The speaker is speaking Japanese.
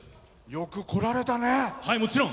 よく来られたね。